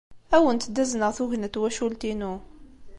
Ad awent-d-azneɣ tugna n twacult-inu.